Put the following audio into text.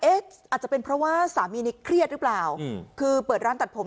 อาจจะเป็นเพราะว่าสามีนี้เครียดหรือเปล่าคือเปิดร้านตัดผม